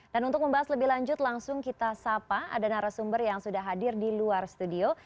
dan untuk membahas lebih lanjut langsung kita sapa ada narasumber yang sudah hadir di luar studio